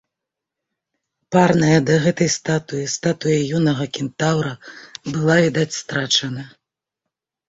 Парная да гэтай статуі статуя юнага кентаўра была, відаць, страчана.